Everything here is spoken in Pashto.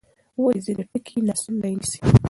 ولې ځینې ټکي ناسم ځای نیسي؟